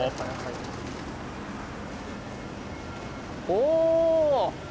おお！